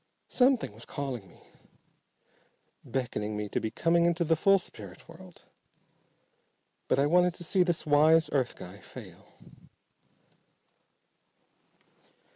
Something was calling me, beckoning me to be coming into the full spirit world. But I wanted to see this wise earth guy fail.